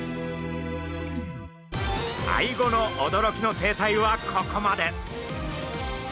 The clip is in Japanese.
アイゴの驚きの生態はここまで。